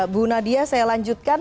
bu nadia saya lanjutkan